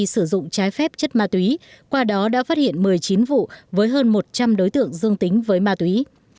sử dụng trái phép chất ma túy qua đó đã phát hiện một mươi chín vụ với hơn một trăm linh đối tượng dương tính với ma túy